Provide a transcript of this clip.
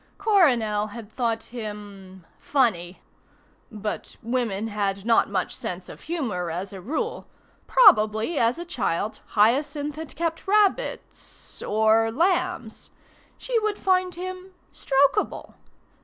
Coronel had thought him funny; but women had not much sense of humour as a rule. Probably as a child Hyacinth had kept rabbits ... or lambs. She would find him strokable.